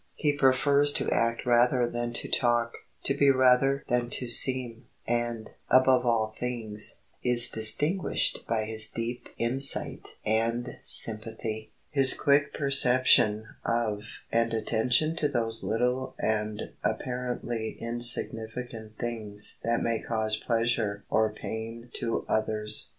He prefers to act rather than to talk, to be rather than to seem, and, above all things, is distinguished by his deep insight and sympathy, his quick perception of and attention to those little and apparently insignificant things that may cause pleasure or pain to others.